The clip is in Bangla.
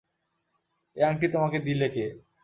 এ আংটি তোমাকে দিলে কে?